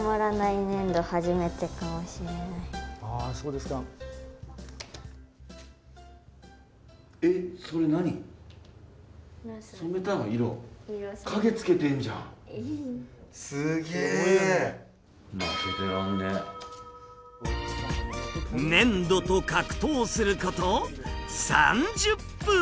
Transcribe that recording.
粘土と格闘すること３０分。